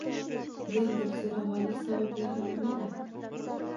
Gender zo‘rovonlik sabablari nimada?